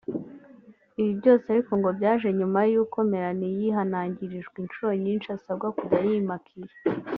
Ibi byose ariko ngo byaje nyuma y’uko Melanie yihanangirijwe inshuro nyinshi asabwa kujya yimakiya